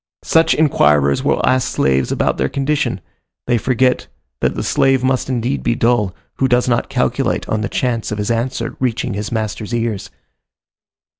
Such inquirers will ask slaves about their condition; they forget that the slave must indeed be dull, who does not calculate on the chance of his answer reaching his master's ears.